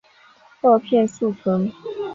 萼片宿存。